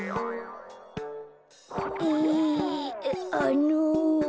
えあの。